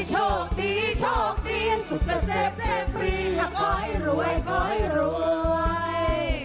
โชคดีโชคดีสุขเสพเรียบรีขอให้รวยขอให้รวย